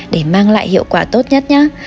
để mang lại hiệu quả tốt nhất nhé